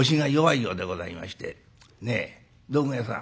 「ねえ道具屋さん」。